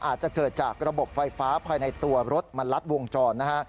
อาจจะเกิดจากระบบไฟฟ้าภายในตัวรถมันลัดวงจรนะฮะ